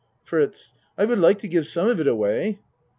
FRITZ I would like to give some of it away.